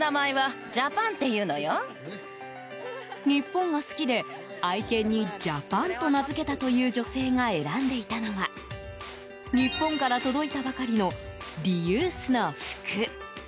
日本が好きで、愛犬にジャパンと名付けたという女性が選んでいたのは日本から届いたばかりのリユースの服。